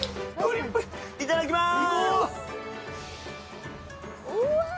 いただきまーす。